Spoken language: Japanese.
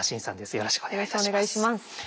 よろしくお願いします。